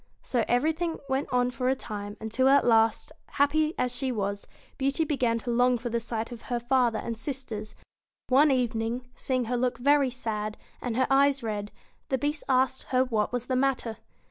So everything went on for a time, until at last, happy as she was, Beauty began to long for the sight of her father and sisters ; and one evening, 94 seeing her look very sad, and her eyes red, the Bt. Beast asked her what was the matter.